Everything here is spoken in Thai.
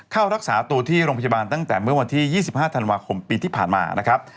เข้ารักษาตัวที่โรงพยาบาลตั้งแต่เมื่อวันที่๒๕ธันวาคมปีที่ผ่านมานะครับ